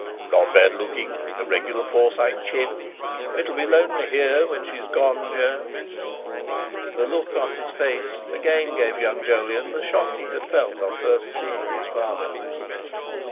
"Not bad looking—a regular Forsyte chin. It'll be lonely here when she's gone, Jo." The look on his face again gave young Jolyon the shock he had felt on first seeing his father.